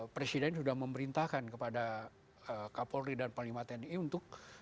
presiden sudah memerintahkan kepada kapolri dan paling maten i untuk